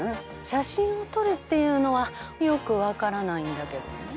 「写真を撮れ」っていうのはよく分からないんだけどね。